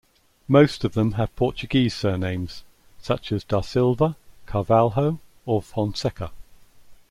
Most of them have Portuguese surnames, such as "da Silva", "Carvalho" or "Fonseca".